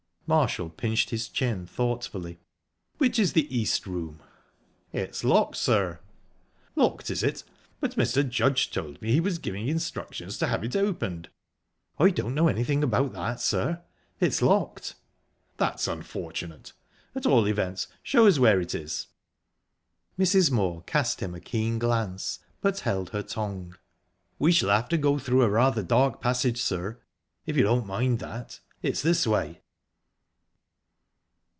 Marshall pinched his chin thoughtfully. "Which is the East Room?" "It's locked, sir." "Locked, is it? But Mr. Judge told me he was giving instructions to have it opened." "I don't know anything about that, sir. It's locked." "That's unfortunate. At all events, show us where it is." Mrs. Moor cast him a keen glance, but held her tongue. "We shall have to go through a rather dark passage, sir if you don't mind that. It's this way."